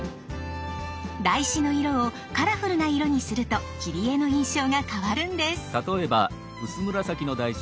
台紙の色をカラフルな色にすると切り絵の印象が変わるんです。